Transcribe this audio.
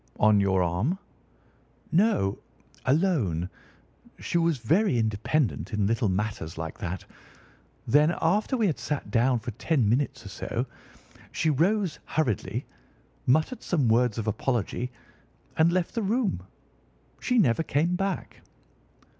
"On your arm?" "No, alone. She was very independent in little matters like that. Then, after we had sat down for ten minutes or so, she rose hurriedly, muttered some words of apology, and left the room. She never came back."